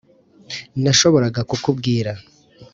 nashoboraga kukubwira